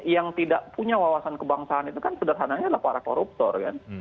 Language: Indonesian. yang tidak punya wawasan kebangsaan itu kan sederhananya adalah para koruptor kan